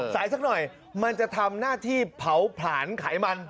สักหน่อยมันจะทำหน้าที่เผาผลาญไขมัน